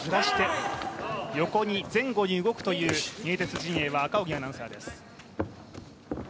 横に、前後に動くというニエテス陣営は赤荻アナウンサーです。